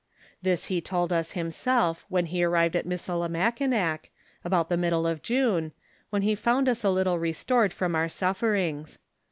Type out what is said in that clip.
This he told us himself when he arrived at Missilimakinac, about the middle of June, when he found us a little restored from our suflferings.